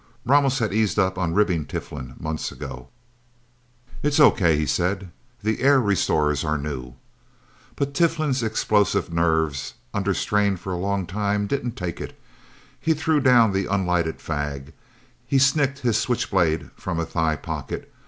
Ramos had eased up on ribbing Tiflin months ago. "It's okay," he said. "The air restorers are new." But Tiflin's explosive nerves, under strain for a long time, didn't take it. He threw down the unlighted fag. He snicked his switch blade from a thigh pocket.